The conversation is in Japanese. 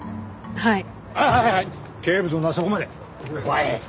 はい？